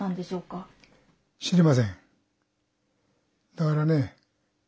だからね